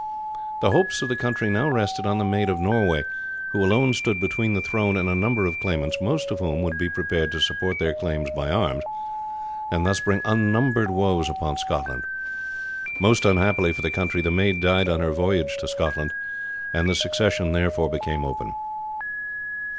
"The hopes of the country now rested on the 'Maid of Norway,' who alone stood between the throne and a number of claimants, most of whom would be prepared to support their claims by arms, and thus bring unnumbered woes upon Scotland. Most unhappily for the country, the maid died on her voyage to Scotland, and the succession therefore became open.